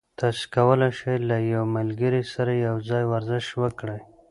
تاسي کولای شئ له یو ملګري سره یوځای ورزش وکړئ.